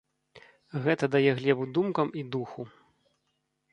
Гэта дае глебу думкам і духу!